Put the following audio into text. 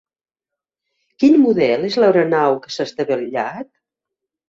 Quin model és l'aeronau que s'ha estavellat?